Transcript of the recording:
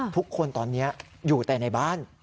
ทุกคนตอนนี้อยู่แต่ในบ้าน